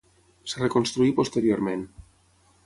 Es reconstruí posteriorment.